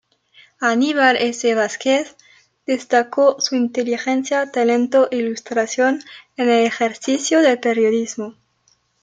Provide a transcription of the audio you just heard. Aníbal S. Vásquez, destacó su inteligencia, talento e ilustración en el ejercicio del periodismo.